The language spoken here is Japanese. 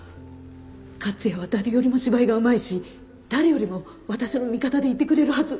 克也は誰よりも芝居がうまいし誰よりも私の味方でいてくれるはず。